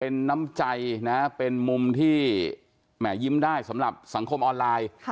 เป็นน้ำใจนะเป็นมุมที่แหมยิ้มได้สำหรับสังคมออนไลน์